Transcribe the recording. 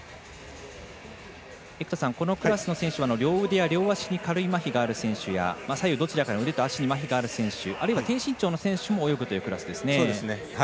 生田さん、このクラスの選手は両腕や両足に軽いまひがある選手や左右どちらかの足にまひのある選手低身長の選手も泳ぐというクラスですね。